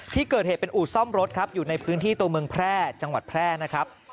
ที่เกิดเหตุเป็นอู่ซ่อมรถครับอยู่ในพื้นที่ตัวเมืองแพร่จังหวัดแพร่นะครับ